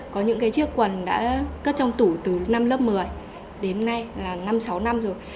có những cái chiếc quần đã cất trong tủ từ năm lớp một mươi đến nay là năm sáu năm rồi